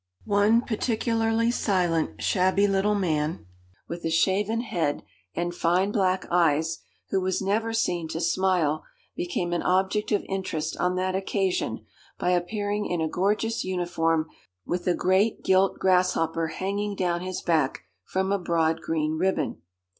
One particularly silent, shabby little man with a shaven head and fine black eyes, who was never seen to smile, became an object of interest on that occasion by appearing in a gorgeous uniform with a great gilt grasshopper hanging down his back from a broad green ribbon.